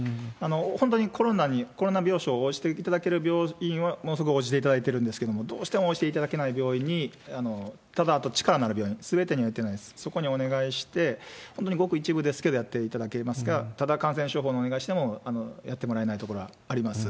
本当にコロナに、コロナ病床に応じていただける病院は、すぐ応じていただいてるんですけれども、どうしても応じていただけない病院に、ただ、あと力のある病院、すべてにおいてのです。そこにお願いして、本当にごく一部ですけれども、やっていただけますが、ただ感染症法のお願いをしても、やってもらえないところはあります。